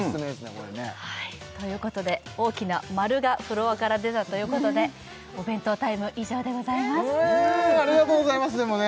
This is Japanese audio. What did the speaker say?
これねということで大きなマルがフロアから出たということでお弁当タイム以上でございますえありがとうございますでもね